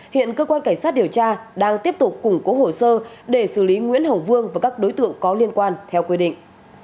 hiện cơ quan cảnh sát điều tra đang tiếp tục củng cố hồ sơ để xử lý nguyễn hồng vương và các đối tượng có liên quan theo quy định